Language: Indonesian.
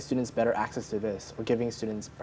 atau memberikan penduduk lebih banyak sumber di sini